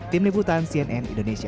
tim libutan cnn indonesia